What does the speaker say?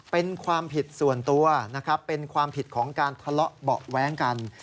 เป็นความผิดส่วนตัวนะครับเป็นความผิดของการทะเลาะเบาะแว้งกัน